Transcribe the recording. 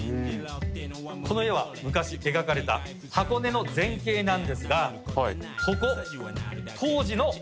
この絵は昔描かれた箱根の全景なんですがここ。